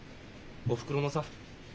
おふくろのさ。